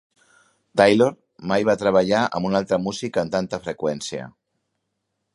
Taylor mai va treballar amb un altre músic amb tanta freqüència.